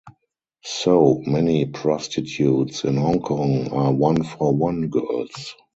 So, many prostitutes in Hong Kong are "one for one" girls.